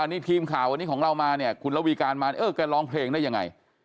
อันนี้ทีมข่าวอันนี้ของเรามาคุณละวีการมาแกร้องเพลงได้อย่างไร